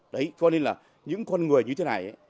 đấy cho nên là những con người như thế này